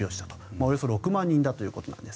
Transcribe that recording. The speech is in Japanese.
およそ６万人だということです。